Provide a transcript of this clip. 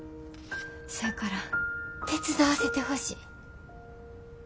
せやから手伝わせてほしい。